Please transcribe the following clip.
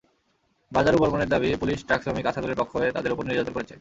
বাজারু বর্মণের দাবি, পুলিশ ট্রাকশ্রমিক আসাদুলের পক্ষ হয়ে তাঁদের ওপর নির্যাতন করেছে।